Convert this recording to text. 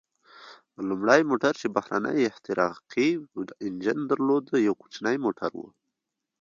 لومړی موټر چې بهرنی احتراقي انجن درلود، یو کوچنی موټر و.